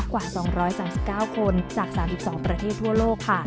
กว่า๒๓๙คนจาก๓๒ประเทศทั่วโลกค่ะ